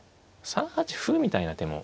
３八歩みたいな手も。